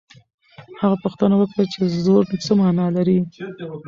هغه پوښتنه وکړه چې زور څه مانا لري.